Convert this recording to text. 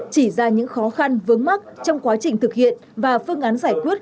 chỉ ra những khó khăn vướng mắt trong quá trình thực hiện và phương án giải quyết